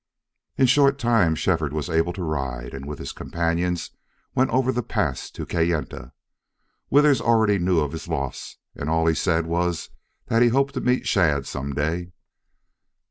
In short time Shefford was able to ride, and with his companions went over the pass to Kayenta. Withers already knew of his loss, and all he said was that he hoped to meet Shadd some day.